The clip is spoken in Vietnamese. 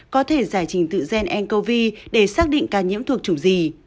có thể giải trình tự gen ncov để xác định ca nhiễm thuộc chủng gì